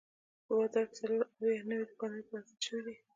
په بازار کې څلور اویا نوي دوکانونه پرانیستل شوي دي.